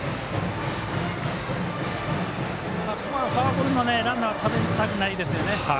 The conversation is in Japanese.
ここはフォアボールのランナーはためたくないですよね。